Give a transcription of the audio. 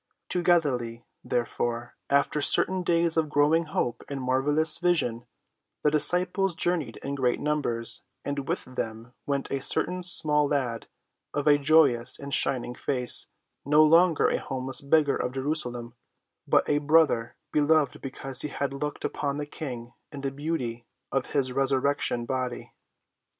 To Galilee, therefore, after certain days of growing hope and marvelous vision, the disciples journeyed in great numbers, and with them went a certain small lad, of a joyous and shining face, no longer a homeless beggar of Jerusalem, but a brother beloved because he had looked upon the King in the beauty of his resurrection body.